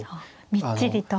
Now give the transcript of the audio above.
みっちりと。